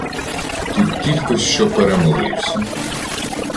Тут тілько що перемолився